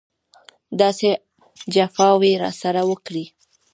داسې جفاوې یې راسره وکړې.